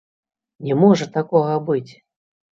Не можа такога быць!